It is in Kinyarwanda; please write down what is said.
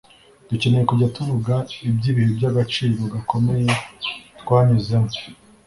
dukeneye kujya tuvuga iby'ibihe by'agaciro gakomeye twanyuzemo